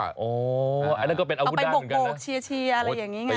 อันนั้นก็เป็นอาวุธด้านเหมือนกันนะ